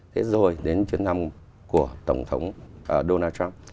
thế rồi đến chuyến thăm của tổng thống donald trump